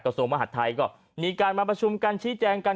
ส่วนมหัฐไทยก็มีการมาประชุมกันชี้แจงกัน